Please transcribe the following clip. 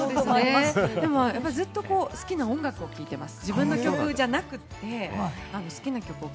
ずっと好きな音楽を聴いてます。